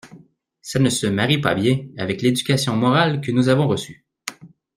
Ça ne se marie pas bien avec l’éducation morale que nous avons reçue.